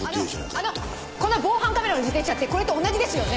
あのこの防犯カメラの自転車ってこれと同じですよね？